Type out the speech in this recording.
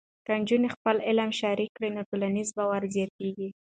که نجونې خپل علم شریک کړي، نو ټولنیز باور زیاتېږي.